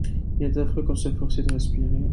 Il est affreux qu’on soit forcé de respirer.